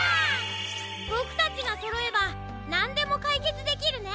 ボクたちがそろえばなんでもかいけつできるね！